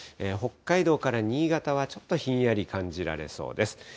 北海道から新潟はちょっとひんやり感じられそうです。